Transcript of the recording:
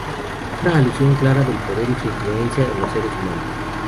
Una alusión clara del poder y su influencia en los seres humanos.